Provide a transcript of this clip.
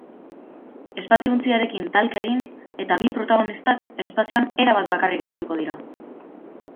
Espazio ontziarekin talka egin eta bi protagonistak espazioan erabat bakarrik geldituko dira.